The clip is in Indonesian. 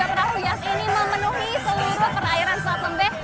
nah peratusan kapal dan juga perahu hias ini memenuhi seluruh perairan selat lembeh